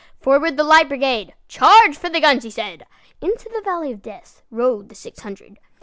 "Forward, the Light Brigade! Charge for the guns!" he said:Into the valley of DeathRode the six hundred.